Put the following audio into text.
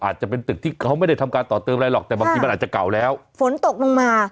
อาจจะเป็นตึกที่เขาไม่ได้ทำการต่อเติมอะไรหรอกแต่บางทีมันอาจจะเก่าแล้วฝนตกลงมา